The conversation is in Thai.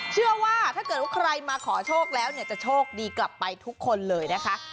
เชื่อว่าถ้าเกิดว่าใครมาขอโชคแล้วเนี่ยจะโชคดีกลับไปทุกคนเลยนะคะ